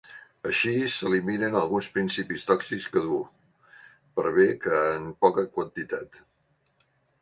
Així s'eliminen alguns principis tòxics que duu, per bé que en poca quantitat.